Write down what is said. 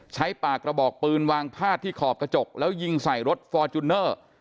ใช้ปากกระบอกปืนวางพาดที่ขอบกระจกแล้วยิงใส่รถฟอร์จูเนอร์